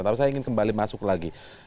tapi saya ingin kembali masuk lagi